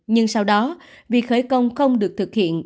nhưng sau đó việc khởi công không được thực hiện